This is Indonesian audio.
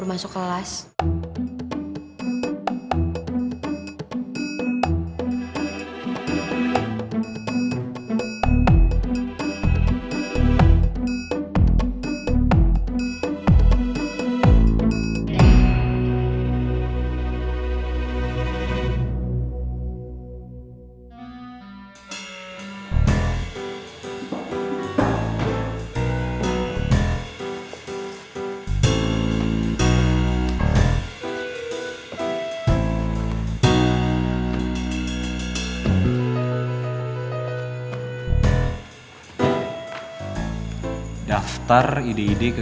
rumah bu melek